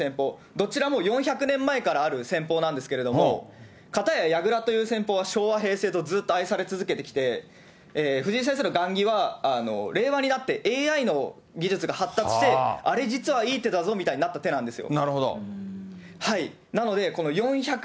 どちらも４００年前からある戦法なんですけれども、かたや矢倉という戦法は昭和、平成とずっと愛され続けてきて、藤井先生の雁木は、令和になってＡＩの技術が発達して、あれ、実はいい手だぞみたいになった手なんですよ。